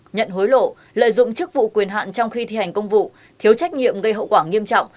nhận hối lộ lợi dụng chức vụ quyền hạn trong khi thi hành công vụ thiếu trách nhiệm gây hậu quả nghiêm trọng